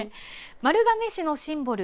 丸亀市のシンボル